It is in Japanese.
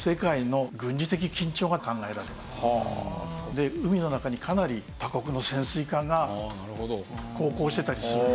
で海の中にかなり他国の潜水艦が航行してたりするんです。